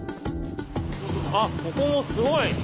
あここもすごい！